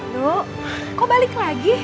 duh kok balik lagi